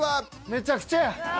めちゃくちゃや。